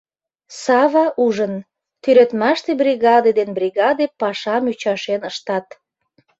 Сава ужын: тӱредмаште бригаде ден бригаде пашам ӱчашен ыштат.